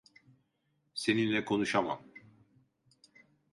Seninle konuşamam.